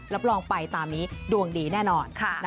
รับรองไปตามนี้ดวงดีแน่นอน